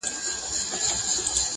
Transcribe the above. له اوږده سفره ستړي را روان وه!!